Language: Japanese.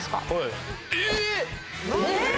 えっ！